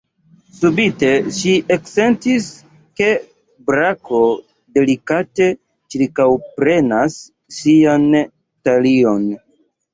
Subite ŝi eksentis, ke brako delikate ĉirkaŭprenas ŝian talion.